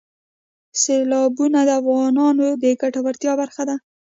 سیلابونه د افغانانو د ګټورتیا برخه ده.